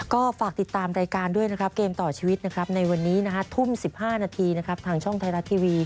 ก็ฝากติดตามรายการด้วยนะครับเกมต่อชีวิตนะครับในวันนี้นะฮะทุ่ม๑๕นาทีนะครับทางช่องไทยรัฐทีวี